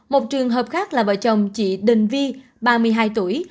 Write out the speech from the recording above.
một trường hợp khác là vợ chồng chị đình vi ba mươi hai tuổi